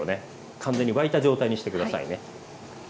完全に沸いた状態にして下さいね。